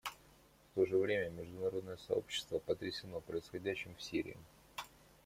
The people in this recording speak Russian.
В то же время международное сообщество потрясено происходящим в Сирии.